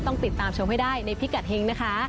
ต้องติดตามชมให้ได้ในพิกัดเฮงนะคะ